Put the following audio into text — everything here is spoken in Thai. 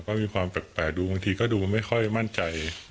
ก็มีความแปลกดูบางทีก็ดูไม่ค่อยมั่นใจ